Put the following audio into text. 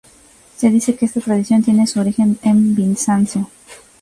Se dice que esta tradición tiene su origen en Bizancio.